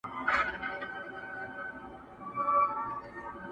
o پک که ډاکتر واى، اول به ئې د خپل سر علاج کړی وای!